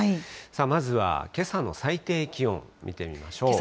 まずは、けさの最低気温、見てみましょう。